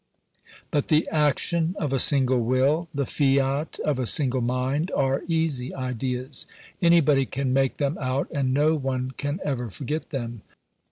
But the action of a single will, the fiat of a single mind, are easy ideas: anybody can make them out, and no one can ever forget them.